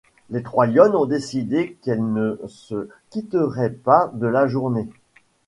Les trois lionnes ont décidé qu’elles ne se quitteraient pas de la journée.